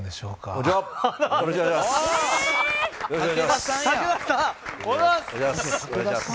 おはようございます。